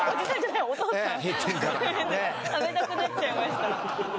食べたくなっちゃいました。